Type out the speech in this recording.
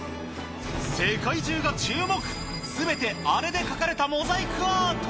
世界中が注目、すべてあれで書かれたモザイクアート。